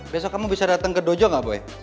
besok kamu bisa datang ke dojo gak boleh